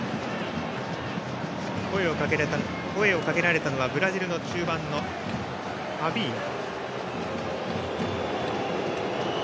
声をかけたのはブラジルの中盤のファビーニョ。